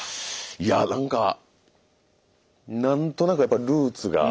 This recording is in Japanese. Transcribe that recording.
いやなんか何となくやっぱルーツが。